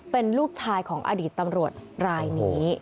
เป็นลูกชายของอดีตตำรวจรายนี้